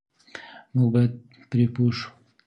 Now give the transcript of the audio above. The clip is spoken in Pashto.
موږ بايد پرې پوه شو.